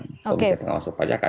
komite pengawasan perpajakan